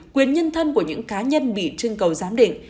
quyền nhân thân của những cá nhân bị trưng cầu giám định